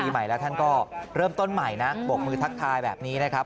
ใหม่แล้วท่านก็เริ่มต้นใหม่นะบกมือทักทายแบบนี้นะครับ